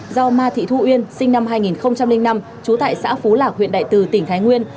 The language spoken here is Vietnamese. do ma thị thu uyên sinh năm hai nghìn năm trú tại xã phú lạc huyện đại từ tỉnh thái nguyên